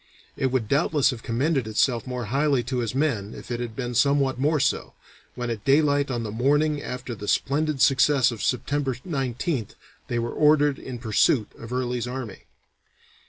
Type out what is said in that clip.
It would doubtless have commended itself more highly to his men if it had been somewhat more so, when at daylight on the morning after the splendid success of September 19th they were ordered in pursuit of Early's army.